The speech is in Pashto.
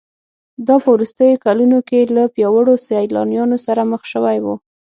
دا په وروستیو کلونو کې له پیاوړو سیالانو سره مخ شوی و